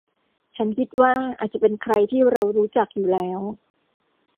ฉันคิดว่าอาจจะเป็นใครที่เรารู้จักอยู่แล้ว